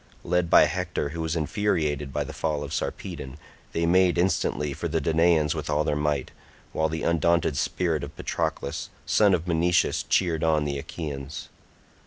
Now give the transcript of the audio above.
Led by Hector, who was infuriated by the fall of Sarpedon, they made instantly for the Danaans with all their might, while the undaunted spirit of Patroclus son of Menoetius cheered on the Achaeans.